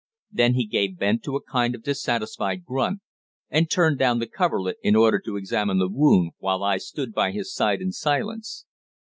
Then he gave vent to a kind of dissatisfied grunt, and turned down the coverlet in order to examine the wound, while I stood by his side in silence.